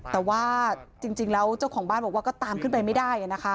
แต่ว่าจริงแล้วเจ้าของบ้านบอกว่าก็ตามขึ้นไปไม่ได้นะคะ